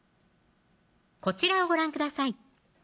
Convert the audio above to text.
こちらをご覧ください